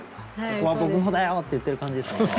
ここは僕のだよって言ってる感じですね。